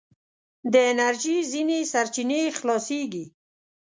د انرژي ځينې سرچينې خلاصیږي.